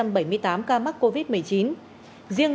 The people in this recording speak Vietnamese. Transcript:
riêng bệnh nhân mắc covid một mươi chín đã được công bố khỏi bệnh